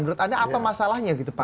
menurut anda apa masalahnya gitu pak